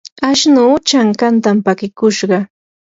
ashnuu chankantam pakikushqa.